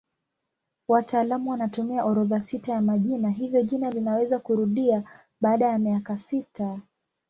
Wataalamu wanatumia orodha sita ya majina hivyo jina linaweza kurudia baada ya miaka sita.